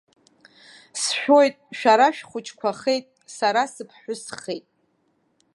Сшәоит, шәара шәхәыҷқәахеит, сара сыԥҳәысхеит!